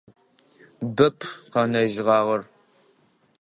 Бэп къэнэжьыгъагъэр.